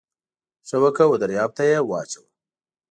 ښه وکه و درياب ته يې واچوه.